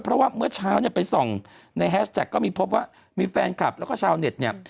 เพราะว่าเมื่อเช้าเนี่ยไปส่องในแฮชแท็กก็มีพบว่ามีแฟนคลับแล้วก็ชาวเน็ตเนี่ย